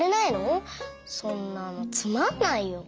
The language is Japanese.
そんなのつまんないよ！